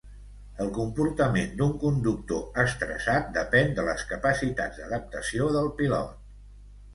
El comportament d'un conductor estressat depèn de les capacitats d'adaptació del pilot.